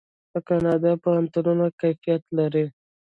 د کاناډا پوهنتونونه کیفیت لري.